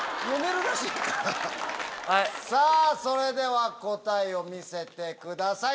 それでは答えを見せてください。